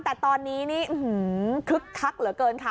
แต่ตอนนี้นี่คึกคักเหลือเกินค่ะ